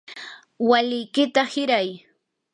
walikiyta hiray.